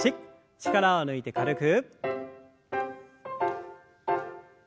力を抜いて軽く。